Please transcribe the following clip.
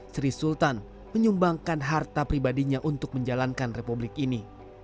sri sultan menyumbangkan harta pribadinya untuk menjalankan republik ini